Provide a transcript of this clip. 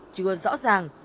chưa rõ ràng